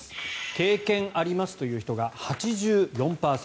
経験ありますという人が８４％。